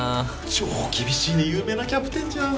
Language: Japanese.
超厳しいで有名なキャプテンじゃん！